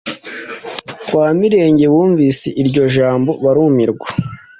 Kwa Mirenge bumvise iryo jambo barumirwa